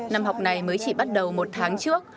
năm học này mới chỉ bắt đầu một tháng trước